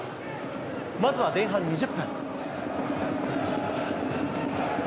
まずは前半２０分。